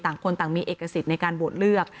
ต่างคนต่างมีเอกสิทธิ์ในการโหวตเลือก